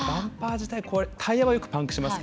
タイヤはよくパンクしますが。